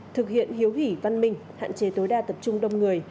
thực hiện hiếu hỉ văn minh hạn chế tối đa tập trung đông người